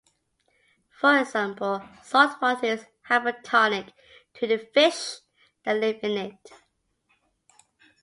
For example, saltwater is hypertonic to the fish that live in it.